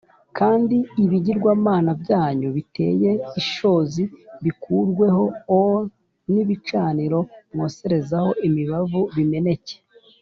kandi ibigirwamana byanyu biteye ishozi bikurweho o n ibicaniro mwoserezaho imibavu bimeneke